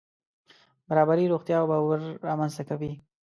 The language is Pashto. برابري روغتیا او باور رامنځته کوي.